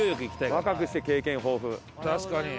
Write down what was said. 若くして経験豊富。